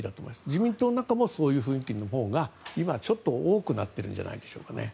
自民党の中もそういう雰囲気のほうが多くなっているんじゃないでしょうか。